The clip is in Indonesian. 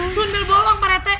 sunda bolong pak rete